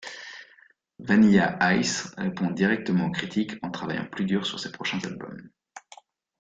Vanilla Ice répond directement aux critiques en travaillant plus dur sur ses prochains albums.